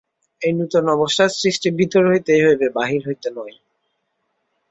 এই নূতন অবস্থার সৃষ্টি ভিতর হইতেই হইবে, বাহির হইতে নয়।